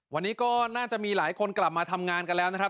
วันนี้ก็น่าจะมีหลายคนกลับมาทำงานกันแล้วนะครับ